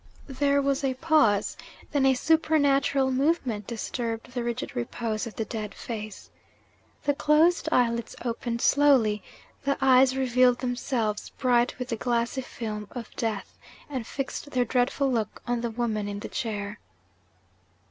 There was a pause. Then, a supernatural movement disturbed the rigid repose of the dead face. The closed eyelids opened slowly. The eyes revealed themselves, bright with the glassy film of death and fixed their dreadful look on the woman in the chair.